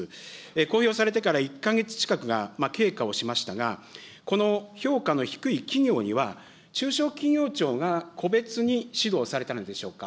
公表されてから１か月近くが経過をしましたが、この評価の低い企業には、中小企業庁が個別に指導されたのでしょうか。